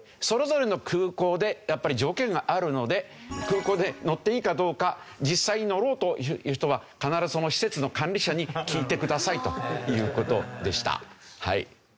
それぞれの空港でやっぱり条件があるので空港で乗っていいかどうか実際に乗ろうという人は必ずその施設の管理者に聞いてくださいという事でした。